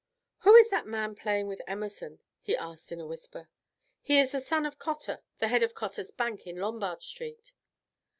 "Who is that man playing with Emerson?" he asked in a whisper. "He is the son of Cotter, the head of Cotter's Bank, in Lombard Street."